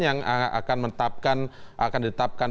yang akan menetapkan